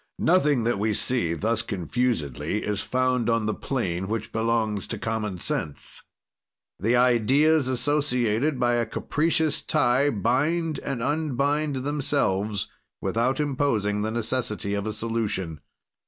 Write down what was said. "Nothing that we see thus confusedly is found on the plane which belongs to common sense; the ideas, associated by a capricious tie, bind and unbind themselves, without imposing the necessity of a solution.